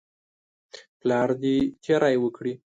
پلار دې تیری وکړي.